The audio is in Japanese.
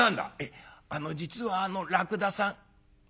「あの実はあのらくださん」。